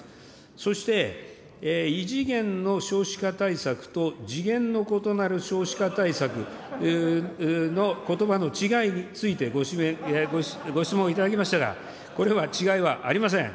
そして異次元の少子化対策と次元の異なる少子化対策のことばの違いについてご質問いただきましたが、これは違いはありません。